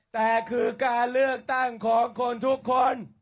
แต่คือการเลือกตั้งของคนทุกคน